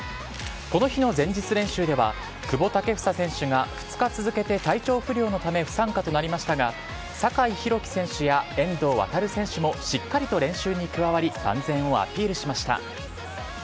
この日の前日練習では、久保建英選手が２日続けて体調不良のため不参加となりましたが、酒井宏樹選手や遠藤航選手もしっかりと練習に加わり、万全をアピールしました。